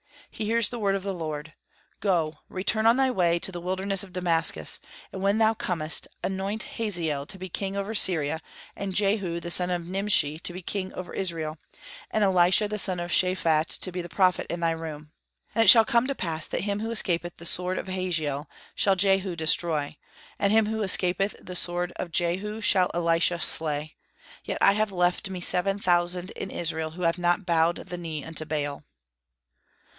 He hears the word of the Lord: "Go, return on thy way to the wilderness of Damascus; and when thou comest, anoint Hazael to be king over Syria, and Jehu the son of Nimshi to be king over Israel, and Elisha the son of Shaphat to be prophet in thy room. And it shall come to pass that him who escapeth the sword of Hazael shall Jehu destroy, and him that escapeth the sword of Jehu shall Elisha slay. Yet I have left me seven thousand in Israel, who have not bowed the knee unto Baal."